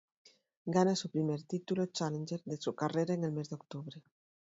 Gana su primer título challenger de su carrera en el mes de octubre.